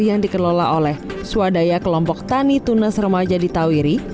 yang dikelola oleh swadaya kelompok tani tunas remaja di tawiri